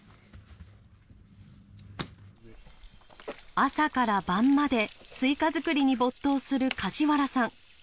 朝から晩までスイカ作りに没頭する梶原さん。